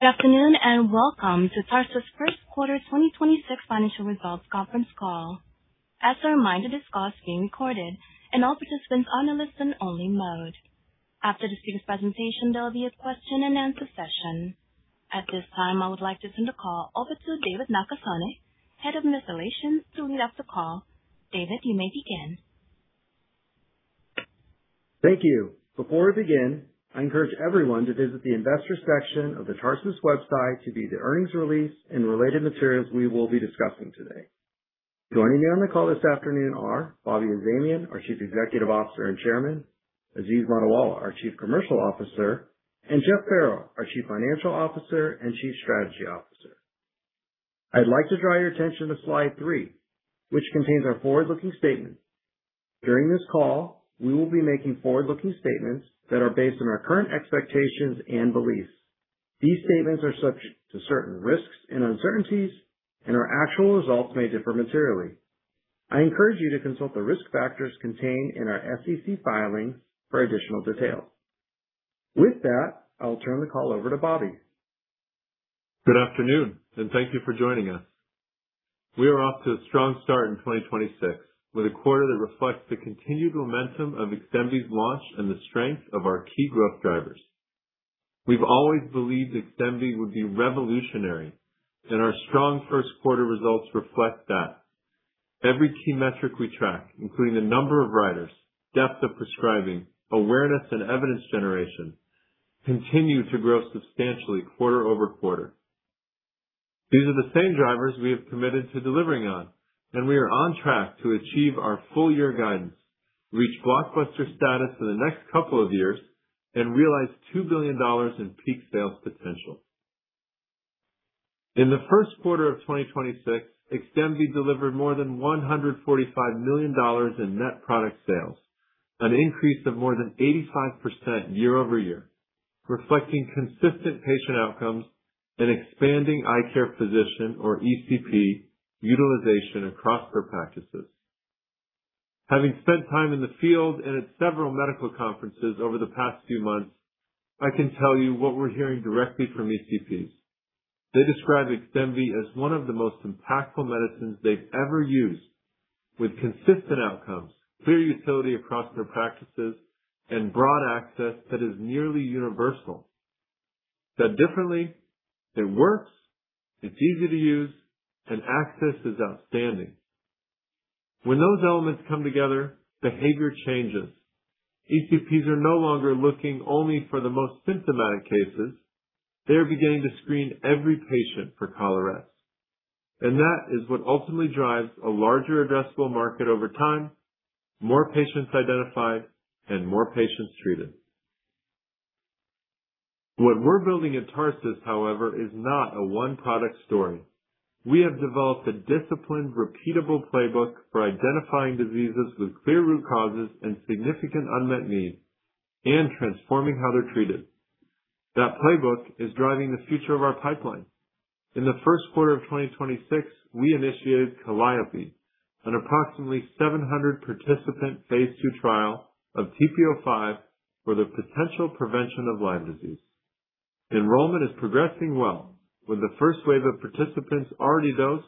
Good afternoon, welcome to Tarsus First Quarter 2026 Financial Results conference call. As a reminder, this call is being recorded and all participants on a listen-only mode. After the CEO's presentation, there will be a question and answer session. At this time, I would like to turn the call over to David Nakasone, Head of Investor Relations, to lead off the call. David, you may begin. Thank you. Before we begin, I encourage everyone to visit the Investor section of the Tarsus website to view the earnings release and related materials we will be discussing today. Joining me on the call this afternoon are Bobby Azamian, our Chief Executive Officer and Chairman, Aziz Mottiwala, our Chief Commercial Officer, and Jeff Farrow, our Chief Financial Officer and Chief Strategy Officer. I'd like to draw your attention to slide three, which contains our forward-looking statement. During this call, we will be making forward-looking statements that are based on our current expectations and beliefs. These statements are subject to certain risks and uncertainties. Our actual results may differ materially. I encourage you to consult the risk factors contained in our SEC filings for additional details. With that, I'll turn the call over to Bobby. Good afternoon. Thank you for joining us. We are off to a strong start in 2026, with a quarter that reflects the continued momentum of XDEMVY's launch and the strength of our key growth drivers. We've always believed XDEMVY would be revolutionary, and our strong first quarter results reflect that. Every key metric we track, including the number of writers, depth of prescribing, awareness, and evidence generation, continue to grow substantially quarter-over-quarter. These are the same drivers we have committed to delivering on, and we are on track to achieve our full-year guidance, reach blockbuster status in the next couple of years, and realize $2 billion in peak sales potential. In the first quarter of 2026, XDEMVY delivered more than $145 million in net product sales, an increase of more than 85% year-over-year, reflecting consistent patient outcomes and expanding eye care physician or ECP utilization across their practices. Having spent time in the field and at several medical conferences over the past few months, I can tell you what we're hearing directly from ECPs. They describe XDEMVY as one of the most impactful medicines they've ever used with consistent outcomes, clear utility across their practices, and broad access that is nearly universal. Said differently, it works, it's easy to use, and access is outstanding. When those elements come together, behavior changes. ECPs are no longer looking only for the most symptomatic cases. They are beginning to screen every patient for collarettes. That is what ultimately drives a larger addressable market over time, more patients identified and more patients treated. What we're building at Tarsus, however, is not a one-product story. We have developed a disciplined, repeatable playbook for identifying diseases with clear root causes and significant unmet needs and transforming how they're treated. That playbook is driving the future of our pipeline. In the first quarter of 2026, we initiated Calliope, an approximately 700 participant phase II trial of TP-05 for the potential prevention of Lyme disease. Enrollment is progressing well with the first wave of participants already dosed,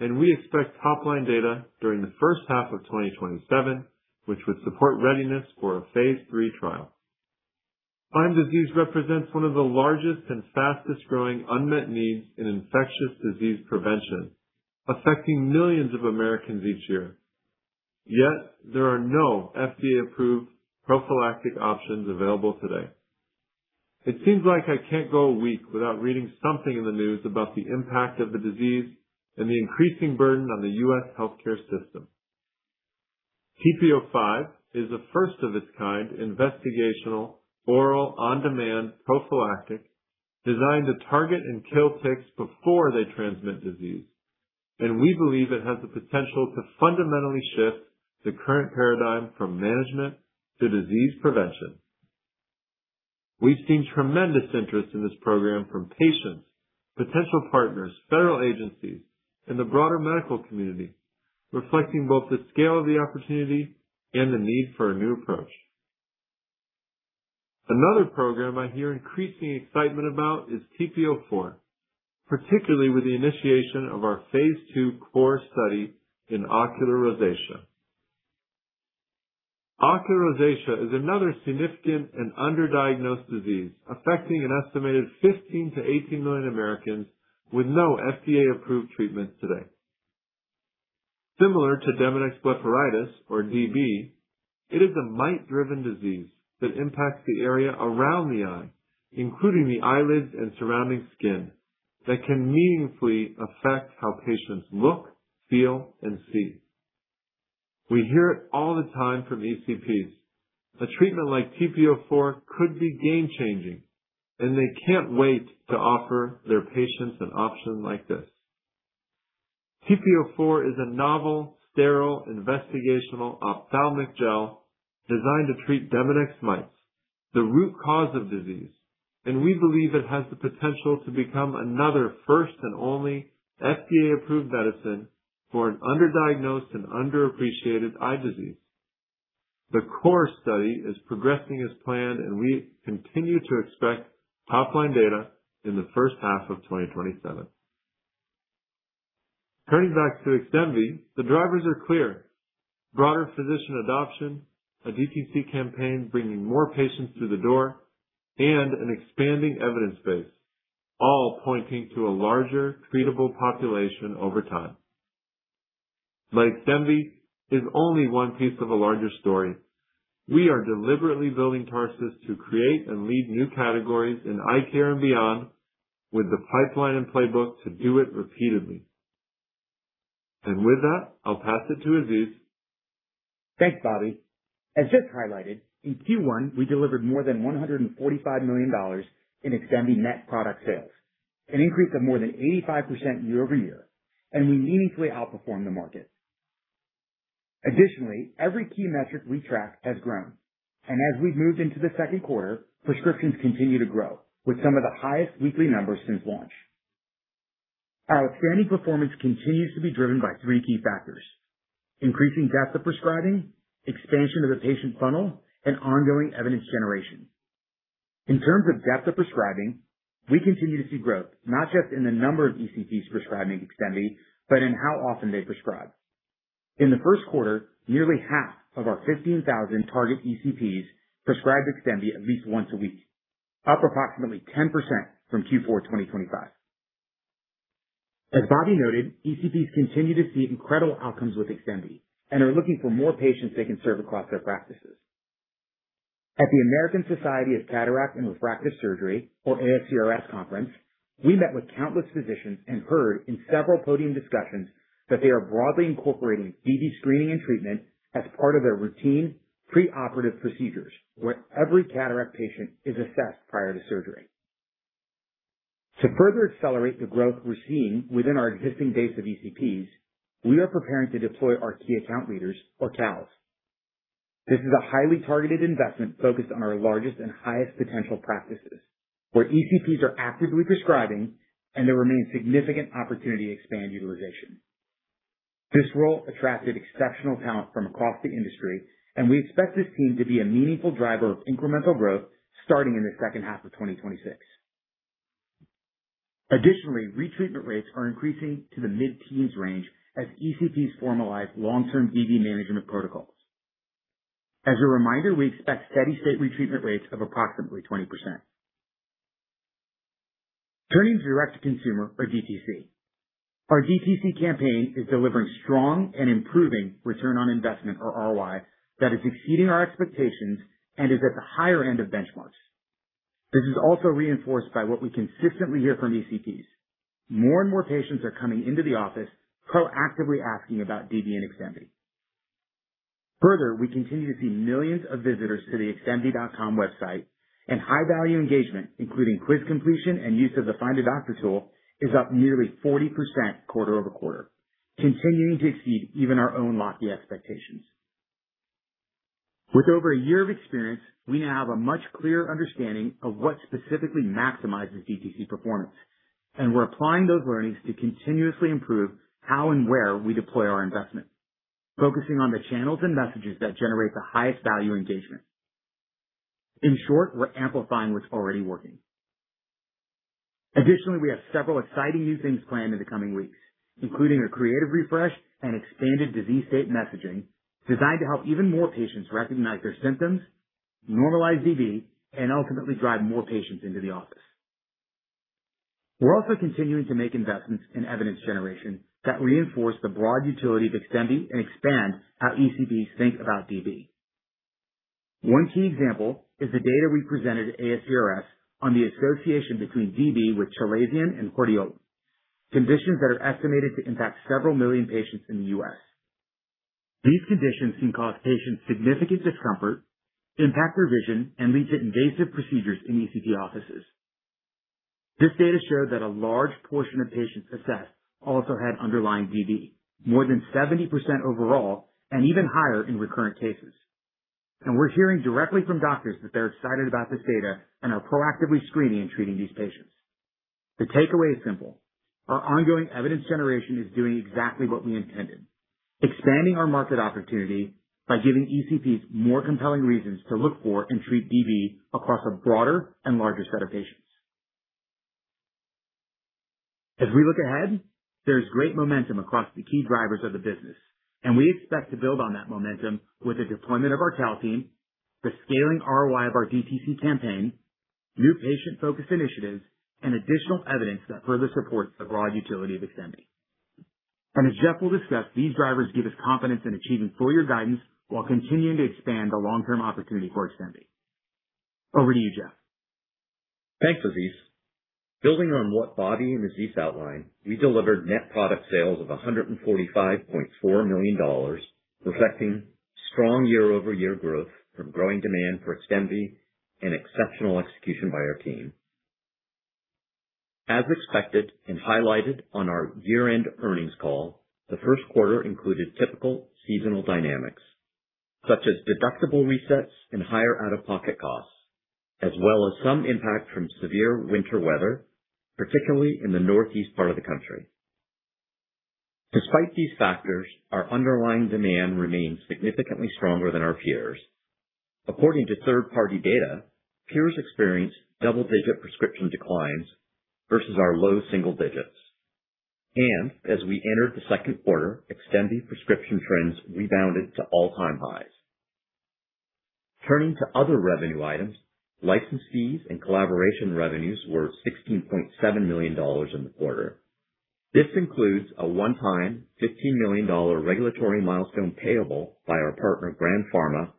we expect topline data during the first half of 2027, which would support readiness for a phase III trial. Lyme disease represents one of the largest and fastest growing unmet needs in infectious disease prevention, affecting millions of Americans each year. There are no FDA-approved prophylactic options available today. It seems like I can't go a week without reading something in the news about the impact of the disease and the increasing burden on the U.S. healthcare system. TP-05 is a first of its kind investigational, oral on-demand prophylactic designed to target and kill ticks before they transmit disease. We believe it has the potential to fundamentally shift the current paradigm from management to disease prevention. We've seen tremendous interest in this program from patients, potential partners, federal agencies, and the broader medical community, reflecting both the scale of the opportunity and the need for a new approach. Another program I hear increasing excitement about is TP-04, particularly with the initiation of our phase II core study in ocular rosacea. Ocular rosacea is another significant and underdiagnosed disease affecting an estimated 15 million-18 million Americans, with no FDA-approved treatments today. Similar to Demodex blepharitis or DB, it is a mite-driven disease that impacts the area around the eye, including the eyelids and surrounding skin that can meaningfully affect how patients look, feel, and see. We hear it all the time from ECPs. A treatment like TP-04 could be game-changing, and they can't wait to offer their patients an option like this. TP-04 is a novel, sterile investigational ophthalmic gel designed to treat Demodex mites, the root cause of disease. We believe it has the potential to become another first and only FDA-approved medicine for an underdiagnosed and underappreciated eye disease. The core study is progressing as planned, and we continue to expect topline data in the first half of 2027. Turning back to XDEMVY, the drivers are clear. Broader physician adoption, a DTC campaign bringing more patients through the door, and an expanding evidence base, all pointing to a larger treatable population over time. XDEMVY is only one piece of a larger story. We are deliberately building Tarsus to create and lead new categories in eye care and beyond with the pipeline and playbook to do it repeatedly. With that, I'll pass it to Aziz. Thanks, Bobby. As Jeff highlighted, in Q1, we delivered more than $145 million in XDEMVY net product sales, an increase of more than 85% year-over-year, and we meaningfully outperformed the market. Additionally, every key metric we track has grown. As we've moved into the second quarter, prescriptions continue to grow with some of the highest weekly numbers since launch. Our outstanding performance continues to be driven by three key factors: increasing depth of prescribing, expansion of the patient funnel, and ongoing evidence generation. In terms of depth of prescribing, we continue to see growth, not just in the number of ECPs prescribing XDEMVY, but in how often they prescribe. In the first quarter, nearly half of our 15,000 target ECPs prescribed XDEMVY at least once a week, up approximately 10% from Q4 2025. As Bobby noted, ECPs continue to see incredible outcomes with XDEMVY and are looking for more patients they can serve across their practices. At the American Society of Cataract and Refractive Surgery, or ASCRS conference, we met with countless physicians and heard in several podium discussions that they are broadly incorporating DB screening and treatment as part of their routine preoperative procedures, where every cataract patient is assessed prior to surgery. To further accelerate the growth we're seeing within our existing base of ECPs, we are preparing to deploy our key account leaders or KALs. This is a highly targeted investment focused on our largest and highest potential practices, where ECPs are actively prescribing and there remains significant opportunity to expand utilization. This role attracted exceptional talent from across the industry, and we expect this team to be a meaningful driver of incremental growth starting in the second half of 2026. Additionally, retreatment rates are increasing to the mid-teens range as ECPs formalize long-term DB management protocols. As a reminder, we expect steady state retreatment rates of approximately 20%. Turning to direct-to-consumer or DTC. Our DTC campaign is delivering strong and improving return on investment or ROI that is exceeding our expectations and is at the higher end of benchmarks. This is also reinforced by what we consistently hear from ECPs. More and more patients are coming into the office proactively asking about DB and XDEMVY. Further, we continue to see millions of visitors to the xdemvy.com website and high-value engagement, including quiz completion and use of the Find a Doctor tool is up nearly 40% quarter-over-quarter, continuing to exceed even our own lofty expectations. With over a year of experience, we now have a much clearer understanding of what specifically maximizes DTC performance. We're applying those learnings to continuously improve how and where we deploy our investment, focusing on the channels and messages that generate the highest value engagement. In short, we're amplifying what's already working. Additionally, we have several exciting new things planned in the coming weeks, including a creative refresh and expanded disease state messaging designed to help even more patients recognize their symptoms, normalize DB, and ultimately drive more patients into the office. We're also continuing to make investments in evidence generation that reinforce the broad utility of XDEMVY and expand how ECPs think about DB. One key example is the data we presented at ASCRS on the association between DB with chalazion and hordeolum, conditions that are estimated to impact several million patients in the U.S. These conditions can cause patients significant discomfort, impact their vision, and lead to invasive procedures in ECP offices. This data showed that a large portion of patients assessed also had underlying DB, more than 70% overall and even higher in recurrent cases. We're hearing directly from doctors that they're excited about this data and are proactively screening and treating these patients. The takeaway is simple. Our ongoing evidence generation is doing exactly what we intended, expanding our market opportunity by giving ECPs more compelling reasons to look for and treat DB across a broader and larger set of patients. As we look ahead, there's great momentum across the key drivers of the business, and we expect to build on that momentum with the deployment of our KAL team, the scaling ROI of our DTC campaign, new patient-focused initiatives, and additional evidence that further supports the broad utility of XDEMVY. As Jeff will discuss, these drivers give us confidence in achieving full year guidance while continuing to expand the long-term opportunity for XDEMVY. Over to you, Jeff. Thanks, Aziz. Building on what Bobby and Aziz outlined, we delivered net product sales of $145.4 million, reflecting strong year-over-year growth from growing demand for XDEMVY and exceptional execution by our team. As expected and highlighted on our year-end earnings call, the first quarter included typical seasonal dynamics such as deductible resets and higher out-of-pocket costs, as well as some impact from severe winter weather, particularly in the Northeast part of the country. Despite these factors, our underlying demand remains significantly stronger than our peers. According to third-party data, peers experienced double-digit prescription declines versus our low single digits. As we entered the second quarter, XDEMVY prescription trends rebounded to all-time highs. Turning to other revenue items, license fees and collaboration revenues were $16.7 million in the quarter. This includes a one-time $15 million regulatory milestone payable by our partner, Grand Pharma,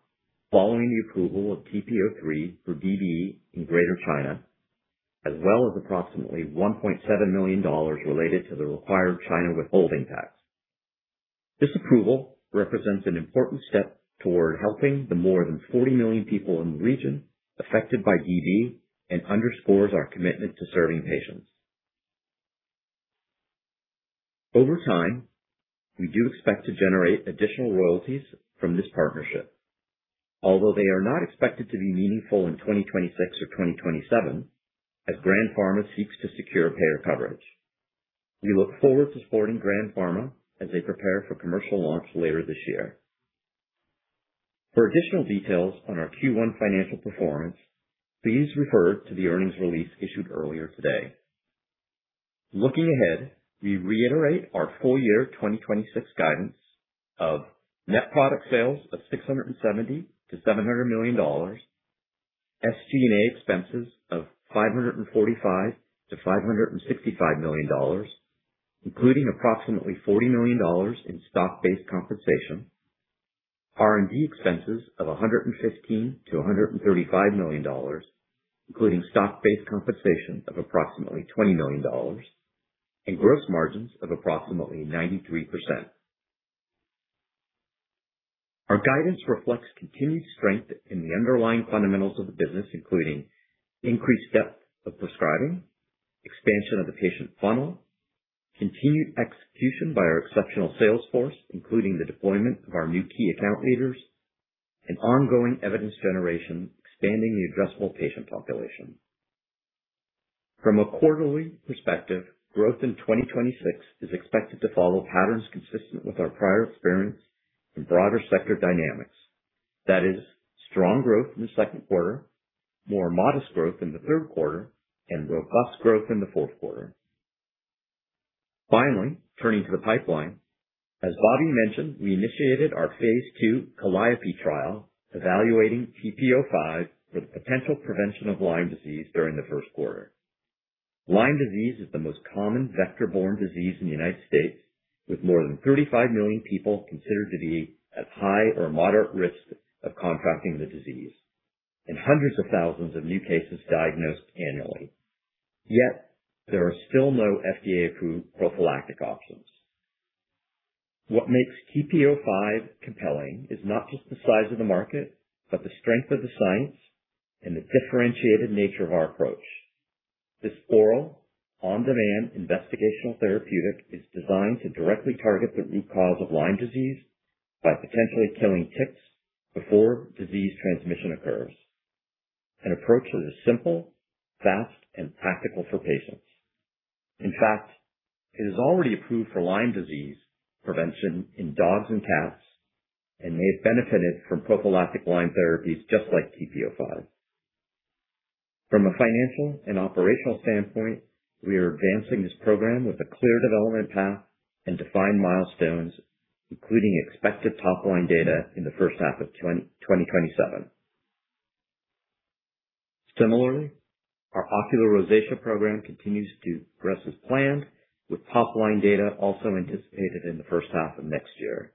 following the approval of TP-03 for DB in Greater China, as well as approximately $1.7 million related to the required China withholding tax. This approval represents an important step toward helping the more than 40 million people in the region affected by DB and underscores our commitment to serving patients. Over time, we do expect to generate additional royalties from this partnership. Although they are not expected to be meaningful in 2026 or 2027 as Grand Pharma seeks to secure payer coverage. We look forward to supporting Grand Pharma as they prepare for commercial launch later this year. For additional details on our Q1 financial performance, please refer to the earnings release issued earlier today. Looking ahead, we reiterate our full year 2026 guidance of net product sales of $670 million-$700 million, SG&A expenses of $545 million-$565 million, including approximately $40 million in stock-based compensation, R&D expenses of $115 million-$135 million, including stock-based compensation of approximately $20 million, and gross margins of approximately 93%. Our guidance reflects continued strength in the underlying fundamentals of the business, including increased depth of prescribing, expansion of the patient funnel, continued execution by our exceptional sales force, including the deployment of our new key account leaders, and ongoing evidence generation, expanding the addressable patient population. From a quarterly perspective, growth in 2026 is expected to follow patterns consistent with our prior experience and broader sector dynamics. That is strong growth in the second quarter, more modest growth in the third quarter, and robust growth in the fourth quarter. Finally, turning to the pipeline. As Bobby mentioned, we initiated our phase II Calliope trial evaluating TP-05 for the potential prevention of Lyme disease during the first quarter. Lyme disease is the most common vector-borne disease in the U.S., with more than 35 million people considered to be at high or moderate risk of contracting the disease and hundreds of thousands of new cases diagnosed annually. Yet there are still no FDA-approved prophylactic options. What makes TP-05 compelling is not just the size of the market, but the strength of the science and the differentiated nature of our approach. This oral on-demand investigational therapeutic is designed to directly target the root cause of Lyme disease by potentially killing ticks before disease transmission occurs. An approach that is simple, fast, and practical for patients. In fact, it is already approved for Lyme disease prevention in dogs and cats and may have benefited from prophylactic Lyme therapies just like TP-05. From a financial and operational standpoint, we are advancing this program with a clear development path and defined milestones, including expected topline data in the first half of 2027. Similarly, our ocular rosacea program continues to progress as planned, with topline data also anticipated in the first half of next year.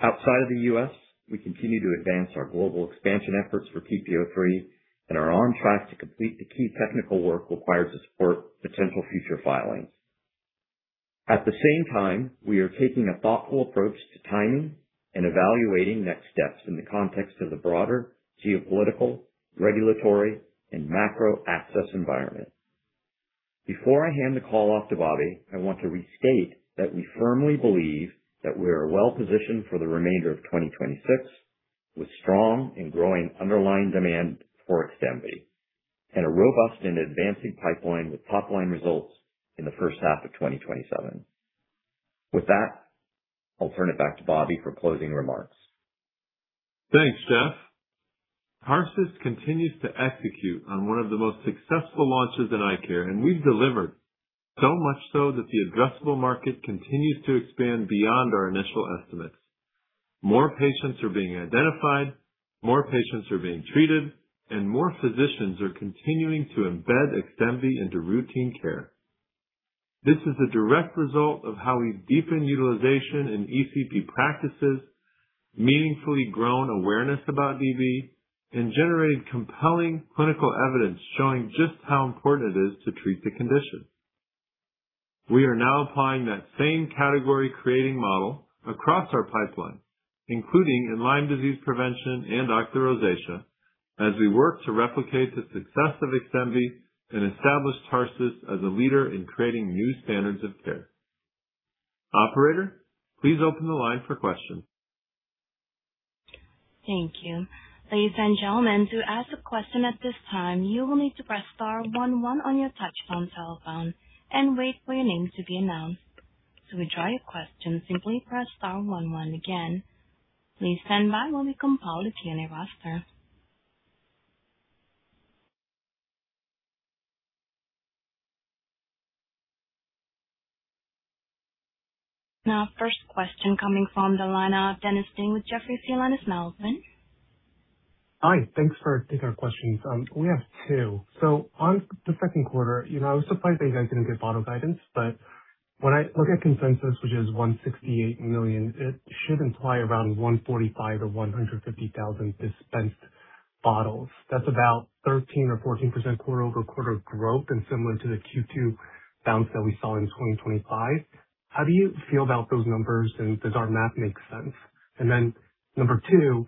Outside of the U.S., we continue to advance our global expansion efforts for TP-03 and are on track to complete the key technical work required to support potential future filings. At the same time, we are taking a thoughtful approach to timing and evaluating next steps in the context of the broader geopolitical, regulatory, and macro access environment. Before I hand the call off to Bobby, I want to restate that we firmly believe that we are well-positioned for the remainder of 2026 with strong and growing underlying demand for XDEMVY, and a robust and advancing pipeline with topline results in the first half of 2027. I'll turn it back to Bobby for closing remarks. Thanks, Jeff. Tarsus continues to execute on one of the most successful launches in eye care,. We've delivered so much so that the addressable market continues to expand beyond our initial estimates. More patients are being identified, more patients are being treated, more physicians are continuing to embed XDEMVY into routine care. This is a direct result of how we've deepened utilization in ECP practices, meaningfully grown awareness about DB, generated compelling clinical evidence showing just how important it is to treat the condition. We are now applying that same category-creating model across our pipeline, including in Lyme disease prevention and ocular rosacea, as we work to replicate the success of XDEMVY and establish Tarsus as a leader in creating new standards of care. Operator, please open the line for questions. Thank you. Ladies and gentlement, to ask a question at this time, you will need to press star one one on your touch-phone telephone and wait for your name to be announced. To withdraw your questions, simply press star one one again. Now first question coming from the line of Dennis Ding with Jefferies. Hi. Thanks for taking our questions. We have two. On the second quarter, you know, I was surprised that you guys didn't give bottle guidance, but when I look at consensus, which is $168 million, it should imply around 145,000 or 150,000 dispensed bottles. That's about 13% or 14% quarter-over-quarter growth and similar to the Q2 bounce that we saw in 2025. How do you feel about those numbers, and does our math make sense? Number two,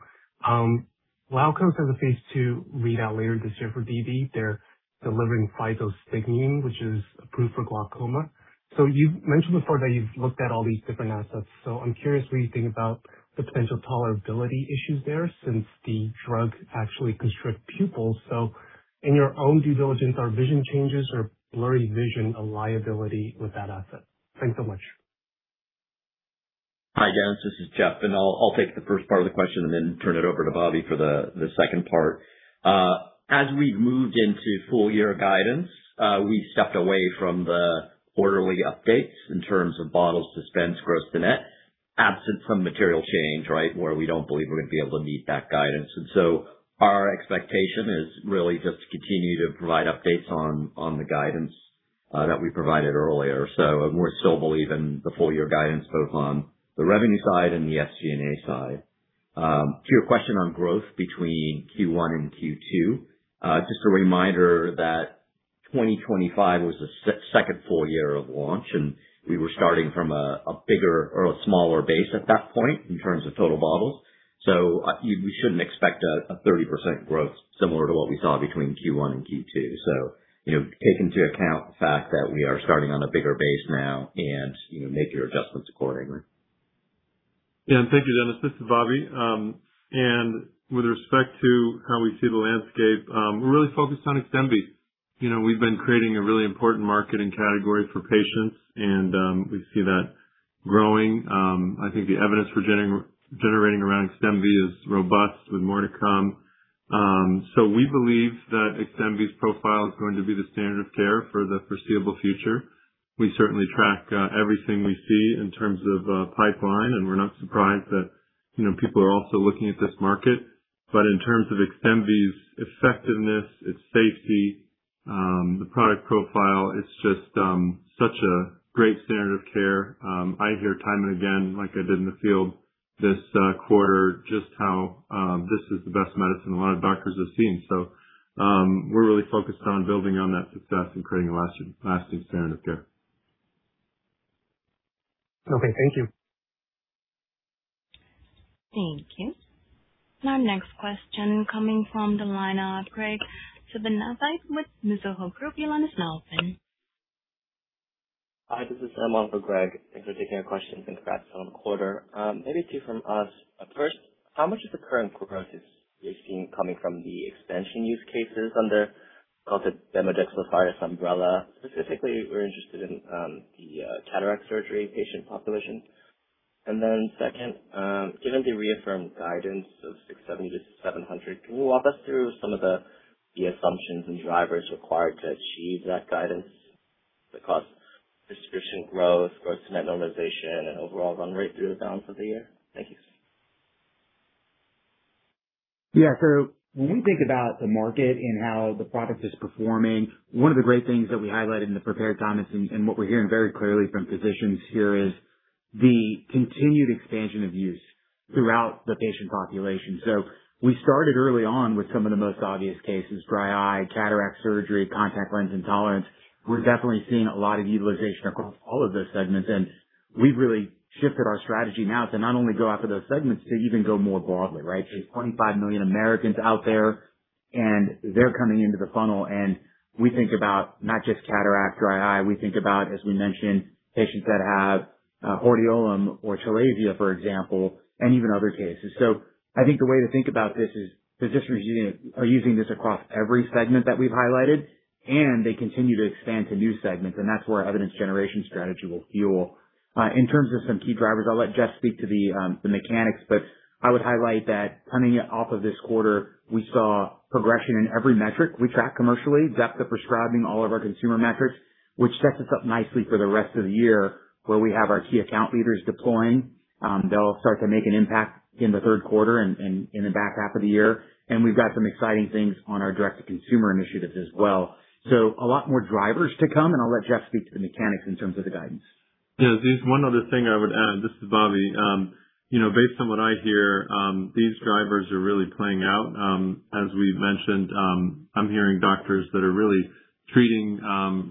Glaukos has a phase II readout later this year for DB. They're delivering physostigmine, which is approved for glaucoma. You've mentioned before that you've looked at all these different assets. I'm curious what you think about the potential tolerability issues there since the drugs actually constrict pupils. In your own due diligence, are vision changes or blurry vision a liability with that asset? Thanks so much. Hi, Dennis, this is Jeff. I'll take the first part of the question and then turn it over to Bobby for the second part. As we've moved into full-year guidance, we stepped away from the quarterly updates in terms of bottles dispensed, gross to net, absent some material change, right, where we don't believe we're going to be able to meet that guidance. Our expectation is really just to continue to provide updates on the guidance that we provided earlier. We're still believing the full year guidance both on the revenue side and the SG&A side. To your question on growth between Q1 and Q2, just a reminder that 2025 was the second full year of launch, and we were starting from a bigger or a smaller base at that point in terms of total bottles. You shouldn't expect a 30% growth similar to what we saw between Q1 and Q2. You know, take into account the fact that we are starting on a bigger base now and, you know, make your adjustments accordingly. Thank you, Dennis. This is Bobby. With respect to how we see the landscape, we're really focused on XDEMVY. You know, we've been creating a really important marketing category for patients, and we see that growing. I think the evidence we're generating around XDEMVY is robust with more to come. We believe that XDEMVY's profile is going to be the standard of care for the foreseeable future. We certainly track everything we see in terms of pipeline, and we're not surprised that, you know, people are also looking at this market. In terms of XDEMVY's effectiveness, its safety, the product profile, it's just such a great standard of care. I hear time and again, like I did in the field this quarter, just how this is the best medicine a lot of doctors have seen. We're really focused on building on that success and creating a lasting standard of care. Okay. Thank you. Thank you. Our next question coming from the line of Graig Suvannavejh with Mizuho Group. Your line is now open. Hi. This is Sam on for Graig. Thanks for taking our questions. Congrats on the quarter. Maybe two from us. First, how much of the current growth is you're seeing coming from the expansion use cases under called the Demodex blepharitis umbrella? Specifically, we're interested in the cataract surgery patient population. Second, given the reaffirmed guidance of $670 million-$700 million, can you walk us through some of the assumptions and drivers required to achieve that guidance, the prescription growth, gross-to-net normalization, and overall run rate through the balance of the year? Thank you. Yeah. When we think about the market and how the product is performing, one of the great things that we highlighted in the prepared comments and what we're hearing very clearly from physicians here is the continued expansion of use throughout the patient population. We started early on with some of the most obvious cases, dry eye, cataract surgery, contact lens intolerance. We're definitely seeing a lot of utilization across all of those segments, and we've really shifted our strategy now to not only go after those segments to even go more broadly, right? There's 25 million Americans out there, and they're coming into the funnel. We think about not just cataract, dry eye. We think about, as we mentioned, patients that have hordeolum or chalazia, for example, and even other cases. I think the way to think about this is physicians are using this across every segment that we've highlighted, and they continue to expand to new segments, and that's where our evidence generation strategy will fuel. In terms of some key drivers, I'll let Jeff speak to the mechanics. But I would highlight that coming off of this quarter, we saw progression in every metric we track commercially, depth of prescribing all of our consumer metrics, which sets us up nicely for the rest of the year, where we have our key account leaders deploying. They'll start to make an impact in the third quarter and in the back half of the year. We've got some exciting things on our direct-to-consumer initiatives as well. A lot more drivers to come, and I'll let Jeff speak to the mechanics in terms of the guidance. Yeah. There's one other thing I would add. This is Bobby. You know, based on what I hear, these drivers are really playing out. As we've mentioned, I'm hearing doctors that are really treating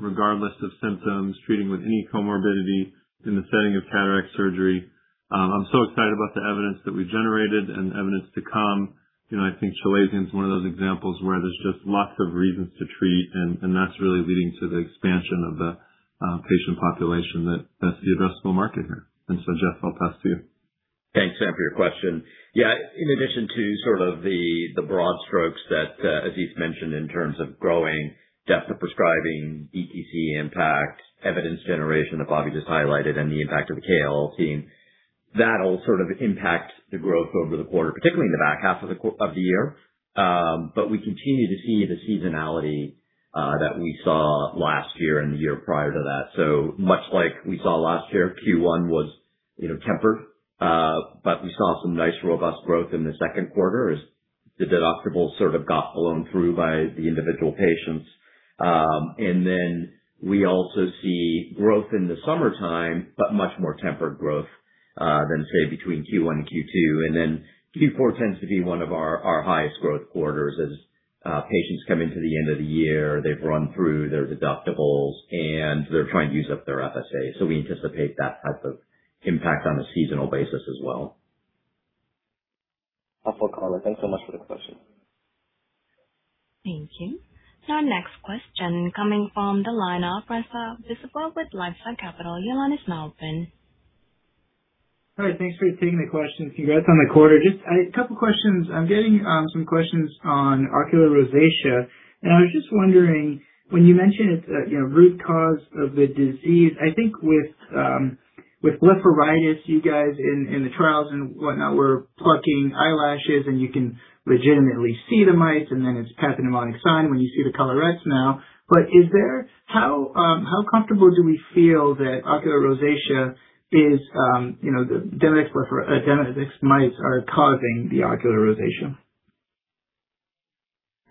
regardless of symptoms, treating with any comorbidity in the setting of cataract surgery. I'm so excited about the evidence that we generated and evidence to come. You know, I think chalazion is one of those examples where there's just lots of reasons to treat and that's really leading to the expansion of the patient population that's the addressable market here. Jeff, I'll pass to you. Thanks, Sam, for your question. Yeah. In addition to sort of the broad strokes that Aziz mentioned in terms of growing depth of prescribing, etc. impact, evidence generation that Bobby just highlighted, and the impact of the KAL team, that'll sort of impact the growth over the quarter, particularly in the back half of the year. We continue to see the seasonality that we saw last year and the year prior to that. Much like we saw last year, Q1 was, you know, tempered. We saw some nice robust growth in the second quarter as the deductible sort of got blown through by the individual patients. Then we also see growth in the summertime, but much more tempered growth than say, between Q1 and Q2. Q4 tends to be one of our highest growth quarters as patients come into the end of the year. They've run through their deductibles, and they're trying to use up their FSA. We anticipate that type of impact on a seasonal basis as well. Thanks for the color. Thanks so much for the question. Thank you. Our next question coming from the line of François Brisebois with LifeSci Capital. Your line is now open. All right. Thanks for taking the question. Congrats on the quarter. Just a couple questions. I'm getting, some questions on ocular rosacea. I was just wondering, when you mentioned it's a, you know, root cause of the disease. I think with blepharitis, you guys in the trials and whatnot, were plucking eyelashes, and you can legitimately see the mites, and then it's pathognomonic sign when you see the collarettes now. how comfortable do we feel that ocular rosacea is, you know, the Demodex mites are causing the ocular rosacea?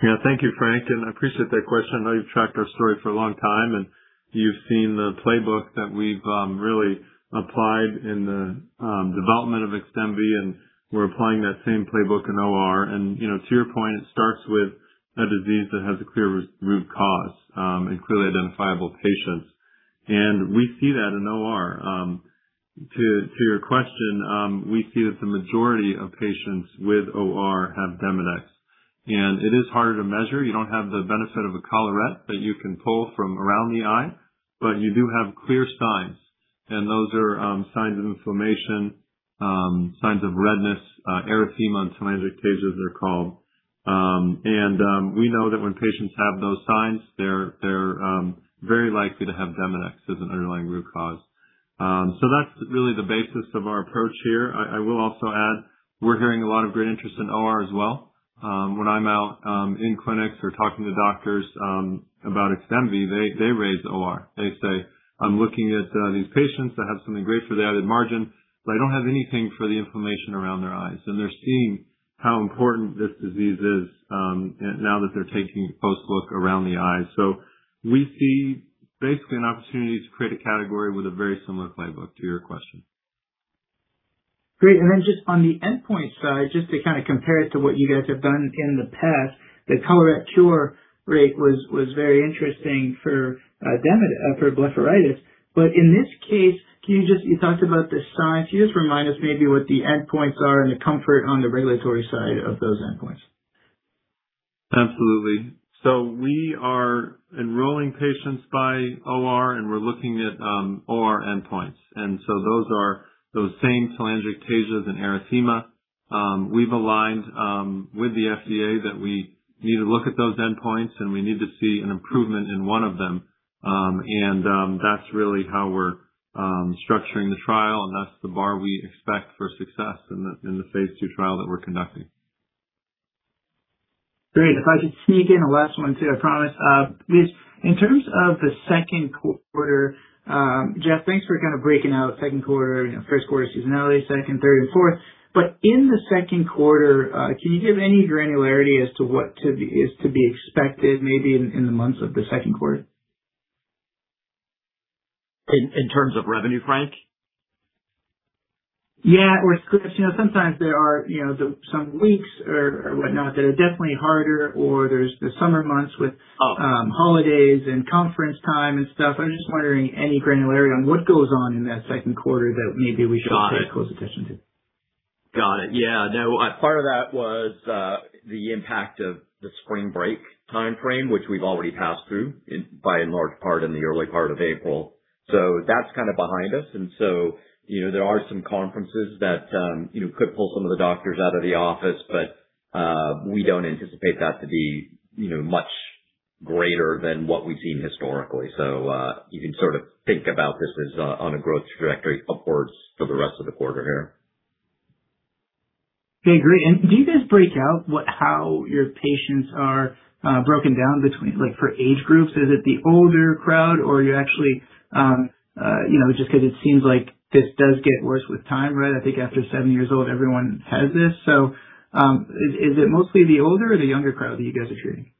Yeah. Thank you, Frank. I appreciate that question. I know you've tracked our story for a long time. You've seen the playbook that we've really applied in the development of XDEMVY, and we're applying that same playbook in OR. You know, to your point, it starts with a disease that has a clear root cause, and clearly identifiable patients. We see that in OR. To your question, we see that the majority of patients with OR have Demodex. It is harder to measure. You don't have the benefit of a collarettes that you can pull from around the eye, you do have clear signs. Those are signs of inflammation, signs of redness, erythema, and telangiectasias, they're called. We know that when patients have those signs, they're very likely to have Demodex as an underlying root cause. That's really the basis of our approach here. I will also add, we're hearing a lot of great interest in OR as well. When I'm out in clinics or talking to doctors about XDEMVY, they raise OR. They say, "I'm looking at these patients that have something great for the added margin, but I don't have anything for the inflammation around their eyes." They're seeing how important this disease is, and now that they're taking the collarettes around the eyes. We see basically an opportunity to create a category with a very similar playbook to your question. Great. Just on the endpoint side, just to kind of compare it to what you guys have done in the past, the collarettes cure rate was very interesting for blepharitis. In this case, You talked about the signs. Can you just remind us maybe what the endpoints are and the comfort on the regulatory side of those endpoints? Absolutely. We are enrolling patients by OR, and we're looking at OR endpoints. Those are those same telangiectasias and erythema. We've aligned with the FDA that we need to look at those endpoints, and we need to see an improvement in one of them. That's really how we're structuring the trial, and that's the bar we expect for success in the phase II trial that we're conducting. Great. If I could sneak in a last one, too, I promise. Just in terms of the second quarter... Jeff, thanks for kind of breaking out second quarter, you know, first quarter seasonality, second, third, and fourth. In the second quarter, can you give any granularity as to what is to be expected maybe in the months of the second quarter? In terms of revenue, Frank? Yeah. Scripts. You know, sometimes there are, you know, some weeks or whatnot that are definitely harder or there's the summer months with- Oh.... holidays and conference time and stuff. I'm just wondering any granularity on what goes on in that second quarter that maybe we should- Got it.... pay close attention to? Got it. Yeah. No, part of that was the impact of the spring break timeframe, which we've already passed through by and large part in the early part of April. That's kind of behind us. You know, there are some conferences that, you know, could pull some of the doctors out of the office. We don't anticipate that to be, you know, much greater than what we've seen historically. You can sort of think about this as on a growth trajectory upwards for the rest of the quarter here. Okay, great. Do you guys break out how your patients are broken down between, like for age groups? Is it the older crowd or you actually, you know, just 'cause it seems like this does get worse with time, right? I think after 70 years old, everyone has this. Is it mostly the older or the younger crowd that you guys are treating?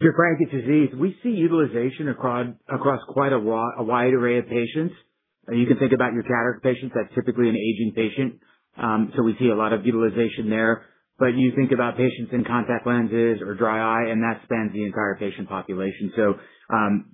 Frank, it's Aziz. We see utilization across a wide array of patients. You can think about your cataract patients. That's typically an aging patient. We see a lot of utilization there. You think about patients in contact lenses or dry eye, and that spans the entire patient population.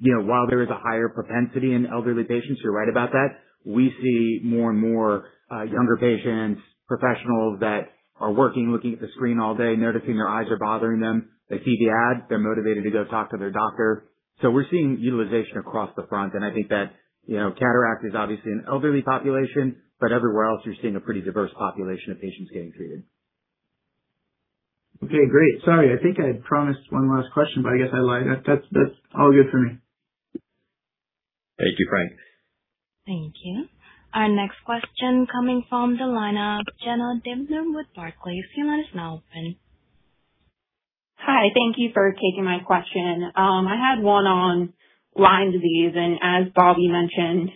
You know, while there is a higher propensity in elderly patients, you're right about that. We see more and more younger patients. Professionals that are working, looking at the screen all day, noticing their eyes are bothering them. They see the ad. They're motivated to go talk to their doctor. We're seeing utilization across the front. I think that, you know, cataract is obviously an elderly population, but everywhere else you're seeing a pretty diverse population of patients getting treated. Okay, great. Sorry, I think I promised one last question, but I guess I lied. That's all good for me. Thank you, Frank. Thank you. Our next question coming from the line of Jenna Davidner with Barclays. Your line is now open. Hi. Thank you for taking my question. I had one on Lyme disease. As Bobby mentioned,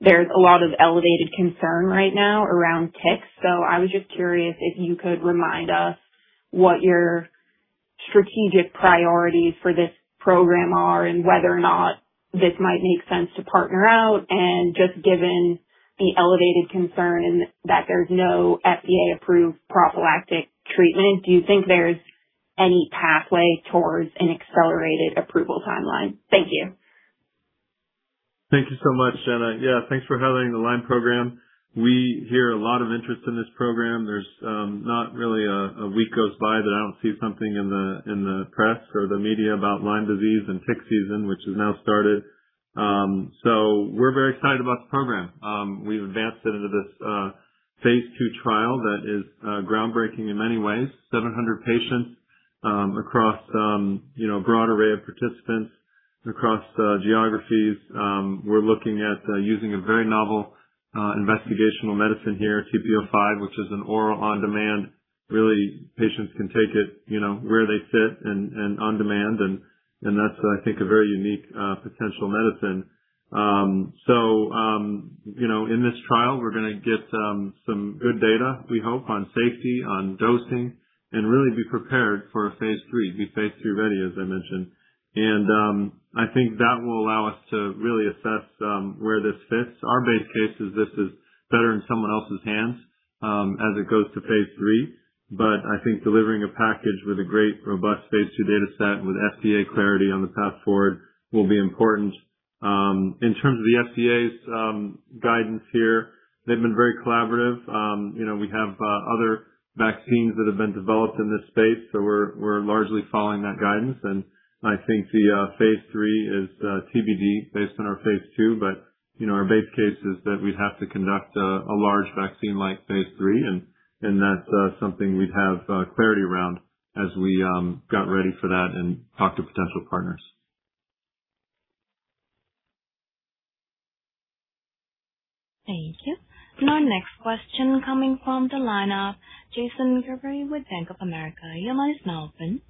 there's a lot of elevated concern right now around ticks. I was just curious if you could remind us what your strategic priorities for this program are and whether or not this might make sense to partner out? Just given the elevated concern that there's no FDA-approved prophylactic treatment, do you think there's any pathway towards an accelerated approval timeline? Thank you. Thank you so much, Jenna. Thanks for highlighting the Lyme program. We hear a lot of interest in this program. There's not really a week goes by that I don't see something in the press or the media about Lyme disease and tick season, which has now started. We're very excited about the program. We've advanced it into this phase II trial that is groundbreaking in many ways. 700 patients across, you know, a broad array of participants across geographies. We're looking at using a very novel investigational medicine here, TP-05, which is an oral on-demand. Really, patients can take it, you know, where they fit and on demand. That's, I think, a very unique potential medicine. You know, in this trial, we're gonna get some good data. We hope, on safety, on dosing, and really be prepared for a phase III. Be phase III-ready, as I mentioned. I think that will allow us to really assess where this fits. Our base case is this is better in someone else's hands as it goes to phase III. I think delivering a package with a great, robust phase II data set with FDA clarity on the path forward will be important. In terms of the FDA's guidance here, they've been very collaborative. You know, we have other vaccines that have been developed in this space, so we're largely following that guidance. I think the phase III is TBD based on our phase II, but, you know, our base case is that we'd have to conduct a large vaccine-like phase III. That's something we'd have clarity around as we got ready for that and talk to potential partners. Thank you. Our next question coming from the line of Jason Gerberry with Bank of America, your line is now open.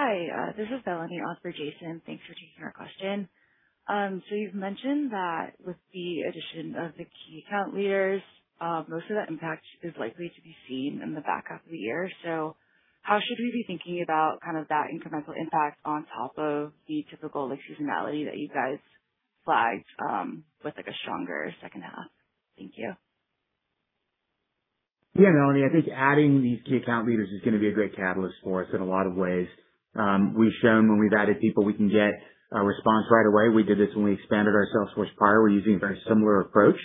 Hi. This is Melanie on for Jason, thanks for taking our question. You've mentioned that with the addition of the key account leaders, most of that impact is likely to be seen in the back half of the year. How should we be thinking about kind of that incremental impact on top of the typical, like, seasonality that you guys flagged with like a stronger second half? Thank you. Yeah, Melanie, I think adding these key account leaders is gonna be a great catalyst for us in a lot of ways. We've shown when we've added people, we can get a response right away. We did this when we expanded our sales force prior. We're using a very similar approach.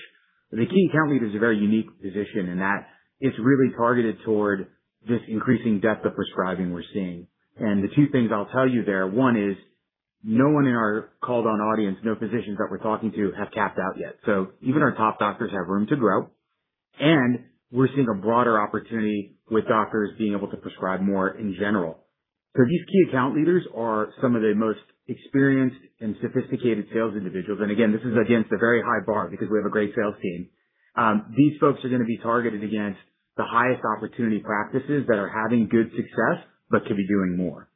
The key account leader is a very unique position in that it's really targeted toward just increasing depth of prescribing we're seeing. The two things I'll tell you there, one is no one in our called-on audience, no physicians that we're talking to have capped out yet. Even our top doctors have room to grow, and we're seeing a broader opportunity with doctors being able to prescribe more in general. These key account leaders are some of the most experienced and sophisticated sales individuals. Again, this is against a very high bar because we have a great sales team. These folks are going to be targeted against the highest opportunity practices that are having good success but could be doing more.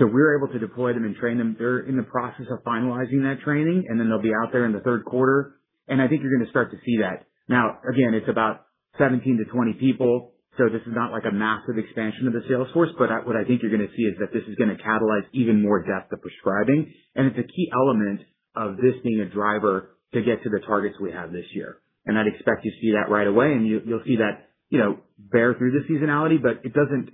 We are able to deploy them and train them. They are in the process of finalizing that training, and then they will be out there in the third quarter. I think you are going to start to see that. Now, again, it is about 17 to 20 people. This is not like a massive expansion of the sales force, but what I think you are going to see is that this is going to catalyze even more depth of prescribing. It is a key element of this being a driver to get to the targets we have this year. I would expect you to see that right away. You'll see that, you know, bear through the seasonality, but it doesn't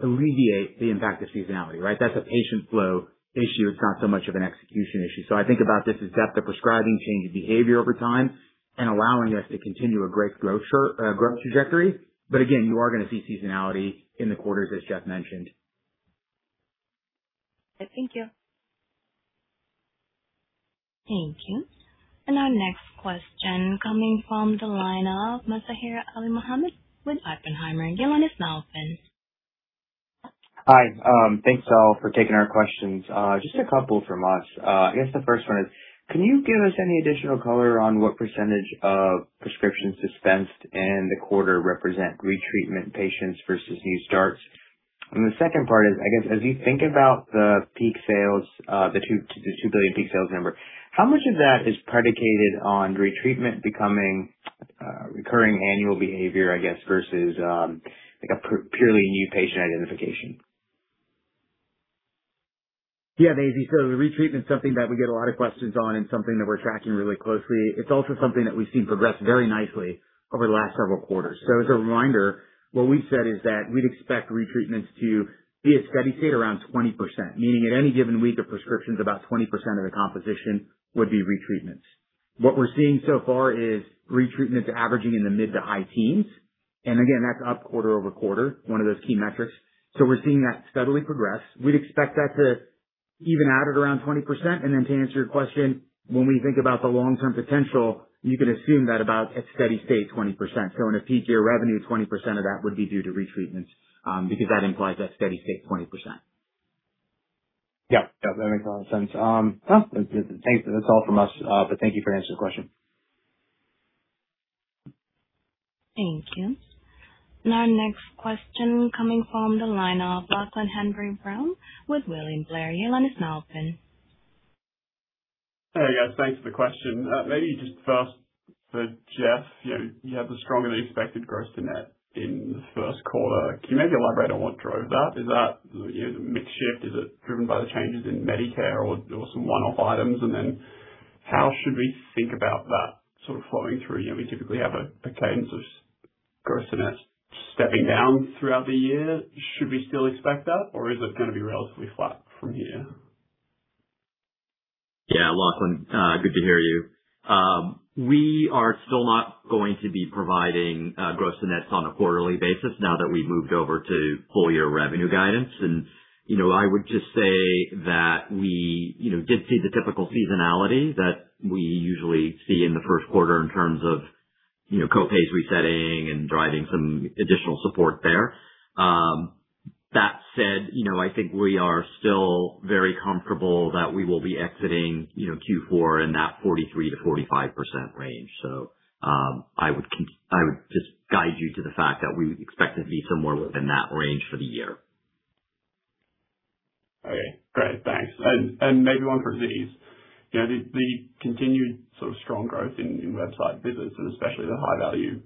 alleviate the impact of seasonality, right. That's a patient-flow issue, it's not so much of an execution issue. I think about this as depth of prescribing, change of behavior over time, and allowing us to continue a great growth short, growth trajectory. Again, you are gonna see seasonality in the quarters, as Jeff mentioned. Thank you. Thank you. Our next question coming from the line of Mazahir Alimohamed with Oppenheimer, your line is now open. Hi. Thanks, all, for taking our questions. Just a couple from us. I guess the first one is, can you give us any additional color on what percentage of prescriptions dispensed in the quarter represent retreatment patients versus new starts? The second part is, I guess as you think about the peak sales, the $2 billion peak sales number, how much of that is predicated on retreatment becoming recurring annual behavior, I guess, versus like a purely new patient identification? Yeah, Mazi. The retreatment's something that we get a lot of questions on and something that we're tracking really closely. It's also something that we've seen progress very nicely over the last several quarters. As a reminder, what we said is that we'd expect retreatments to be a steady state around 20%, meaning at any given week of prescriptions, about 20% of the composition would be retreatments. What we're seeing so far is retreatments averaging in the mid to high teens. Again, that's up quarter-over-quarter, one of those key metrics. We're seeing that steadily progress. We'd expect that to even out at around 20%. To answer your question, when we think about the long-term potential, you can assume that about a steady state, 20%. In a future revenue, 20% of that would be due to retreatments, because that implies that steady state, 20%. Yeah. Yeah, that makes a lot of sense. Well, thanks. That's all from us. Thank you for answering the question. Thank you. Our next question coming from the line of Lachlan Hanbury-Brown with William Blair. Your line is now open. Hey, guys. Thanks for the question. Maybe just first for Jeff. You know, you have a stronger than expected gross to net in the first quarter. Can you maybe elaborate on what drove that? Is that, you know, the mix shift? Is it driven by the changes in Medicare or some one-off items? How should we think about that sort of flowing through? You know, we typically have a cadence of gross to net stepping down throughout the year. Should we still expect that, or is it gonna be relatively flat from here? Yeah, Lachlan, good to hear you. We are still not going to be providing gross to nets on a quarterly basis now that we've moved over to full year revenue guidance. You know, I would just say that we, you know, did see the typical seasonality that we usually see in the first quarter in terms of, you know, co-pays resetting and driving some additional support there. That said, you know, I think we are still very comfortable that we will be exiting, you know, Q4 in that 43%-45% range. I would just guide you to the fact that we would expect to be somewhere within that range for the year. Okay, great. Thanks. Maybe one for Aziz. You know, the continued sort of strong growth in website visits, especially the high value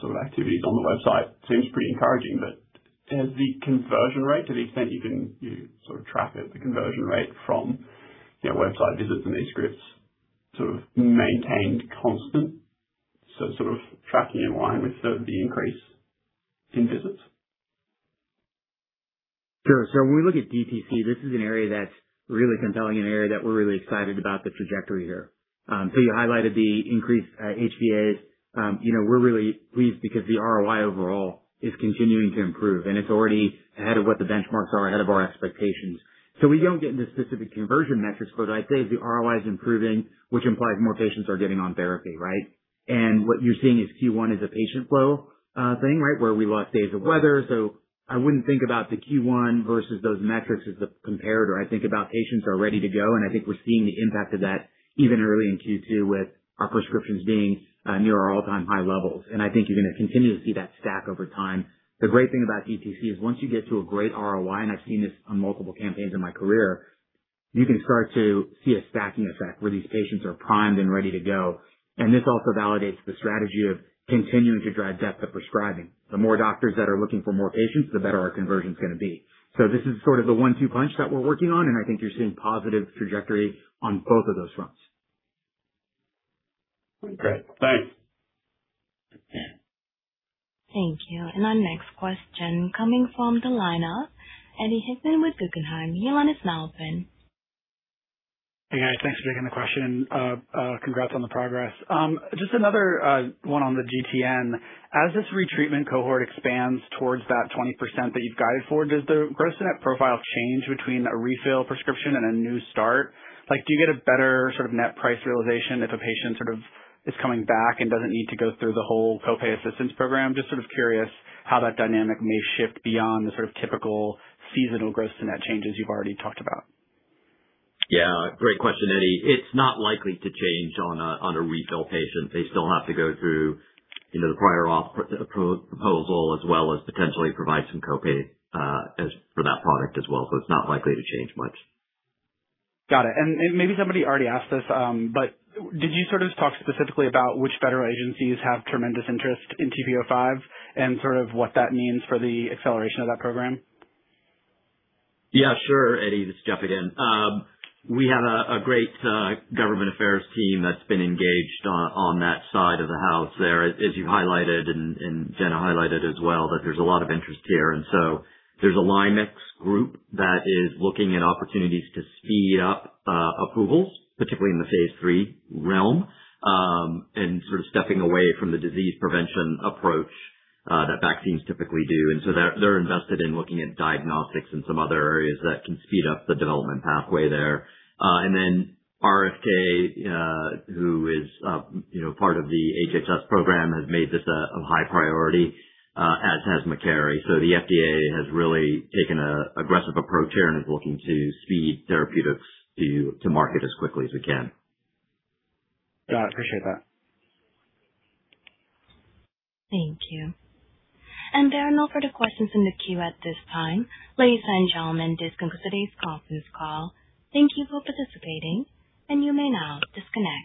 sort of activities on the website, seems pretty encouraging. Has the conversion rate to the extent you can sort of track it, the conversion rate from, you know, website visits and e-scripts sort of maintained constant, so sort of tracking in line with the increase in visits? Sure. When we look at DTC, this is an area that's really compelling, an area that we're really excited about the trajectory here. You highlighted the increased HVAs. You know, we're really pleased because the ROI overall is continuing to improve. It's already ahead of what the benchmarks are. Ahead of our expectations. We don't get into specific conversion metrics, but I'd say the ROI is improving, which implies more patients are getting on therapy, right? What you're seeing is Q1 is a patient flow thing, right, where we lost days of weather. I wouldn't think about the Q1 versus those metrics as the comparator. I think about patients are ready to go, and I think we're seeing the impact of that even early in Q2 with our prescriptions being near our all-time high levels. I think you're gonna continue to see that stack over time. The great thing about DTC is once you get to a great ROI, and I've seen this on multiple campaigns in my career, you can start to see a stacking effect, where these patients are primed and ready to go. This also validates the strategy of continuing to drive depth of prescribing. The more doctors that are looking for more patients, the better our conversion is gonna be. This is sort of the one-two punch that we're working on, and I think you're seeing positive trajectory on both of those fronts. Great. Thanks. Thank you. Our next question coming from the line of Eddie Hickman with Guggenheim. Your line is now open. Hey, guys. Thanks for taking the question. Congrats on the progress. Just another one on the GTN. As this retreatment cohort expands towards that 20% that you've guided for, does the gross-to-net profile change between a refill prescription and a new start? Like, do you get a better sort of net price realization if a patient sort of is coming back and doesn't need to go through the whole co-pay assistance program? Just sort of curious how that dynamic may shift beyond the sort of typical seasonal gross to net changes you've already talked about. Yeah, great question, Eddie. It's not likely to change on a refill patient. They still have to go through, you know, the prior auth proposal as well as potentially provide some co-pay [assistance] for that product as well. It's not likely to change much. Got it. Maybe somebody already asked this, but did you sort of talk specifically about which federal agencies have tremendous interest in TP-05, and sort of what that means for the acceleration of that program? Yeah, sure, Eddie. This is Jeff again. We have a great government affairs team that's been engaged on that side of the house there, as you highlighted, and Jenna highlighted as well that there's a lot of interest here. There's a LymeX group that is looking at opportunities to speed up approvals, particularly in the phase III realm, and sort of stepping away from the disease prevention approach that vaccines typically do. They're invested in looking at diagnostics and some other areas that can speed up the development pathway there. RFK, who is part of the HHS program, has made this a high priority, as has Makary. The FDA has really taken an aggressive approach here and is looking to speed therapeutics to market as quickly as we can. Got it. Appreciate that. Thank you. There are no further questions in the queue at this time. Ladies and gentlemen, this concludes today's conference call. Thank you for participating, and you may now disconnect.